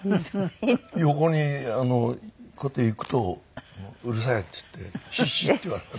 横にこうやって行くとうるさいっつってしっしっ！って言われて。